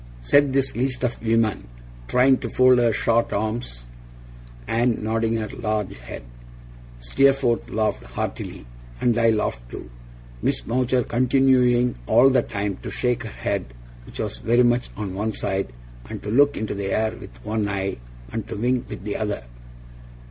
said this least of women, trying to fold her short arms, and nodding her large head. Steerforth laughed heartily, and I laughed too. Miss Mowcher continuing all the time to shake her head (which was very much on one side), and to look into the air with one eye, and to wink with the other.